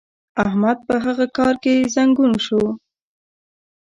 احمد په هغه کار کې زنګون شو.